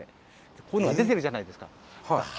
こういうのが出てるじゃないですか。